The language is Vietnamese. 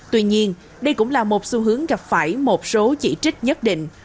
tuy nhiên đây cũng là một xu hướng gặp phải một số chỉ trích nhất định